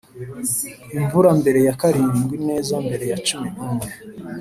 imvura mbere ya karindwi, neza mbere ya cumi n'umwe